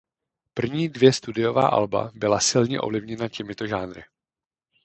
První dvě studiová alba byla silně ovlivněna těmito žánry.